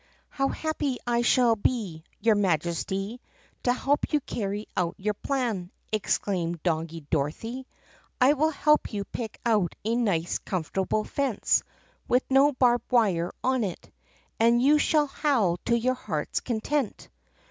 " 'How happy I shall be, your Majesty, to help you carry out your plan !' exclaimed Doggie Dorothy. 'I will help you pick out a nice comfortable fence, with no barbed wire on it, and you shall howl to your heart's content.